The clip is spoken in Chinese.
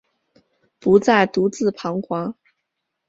不再独自徬惶